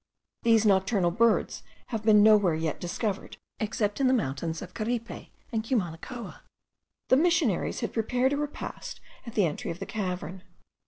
These nocturnal birds have been no where yet discovered, except in the mountains of Caripe and Cumanacoa. The missionaries had prepared a repast at the entry of the cavern.